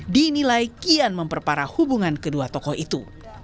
dinilai kian memperparah hubungan kedua tokoh itu